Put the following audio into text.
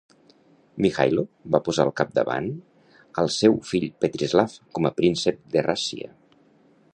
Mihailo va posar al capdavant al seu fill Petrislav com a príncep de Rascia.